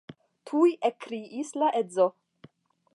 Tuj ekkriis la edzo.